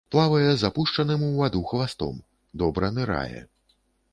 Плавае з апушчаным у ваду хвастом, добра нырае.